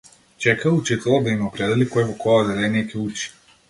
Чекаа учителот да им определи кој во кое одделение ќе учи.